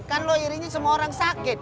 kan lo iri ini semua orang sakit